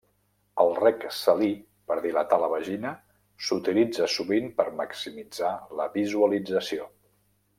El rec salí per dilatar la vagina s'utilitza sovint per maximitzar la visualització.